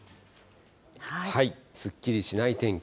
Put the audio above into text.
すっきりしない天気。